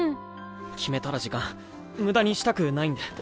決めたら時間無駄にしたくないんで。